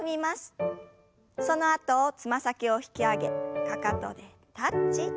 そのあとつま先を引き上げかかとでタッチ。